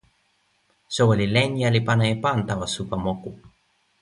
soweli Lenja li pana e pan tawa supa moku.